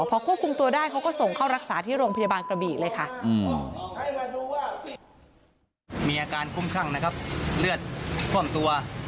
พอควบคุมตัวได้เขาก็ส่งเข้ารักษาที่โรงพยาบาลกระบีเลยค่ะ